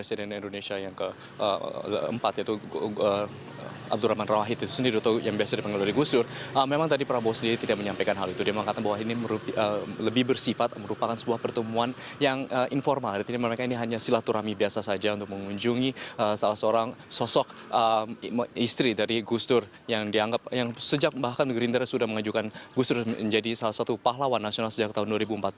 ini adalah sosok istri dari gus dur yang sejak bahkan gerindara sudah mengajukan gus dur menjadi salah satu pahlawan nasional sejak tahun dua ribu empat belas